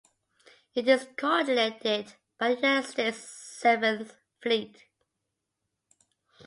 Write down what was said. It is coordinated by the United States Seventh Fleet.